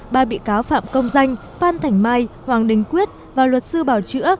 ba bị cáo phạm công danh phan thành mai hoàng đình quyết và luật sư bảo chữa